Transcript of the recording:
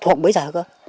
học bấy giờ cơ